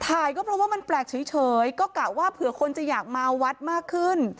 ถ่ายก็เพราะว่ามันแปลกเฉยก็กะว่าเผื่อคนจะอยากมาวัดมากขึ้น